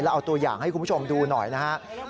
เอาตัวอย่างให้คุณผู้ชมดูหน่อยนะครับ